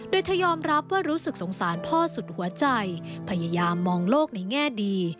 โดยเธอยอมรับว่ารู้สึกสงสารพ่อสุดหัวใจพยายามมองโลกในแง่ดี